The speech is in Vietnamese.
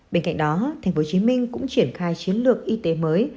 bên cạnh đó tp hcm cũng triển khai chiến lược y tế mới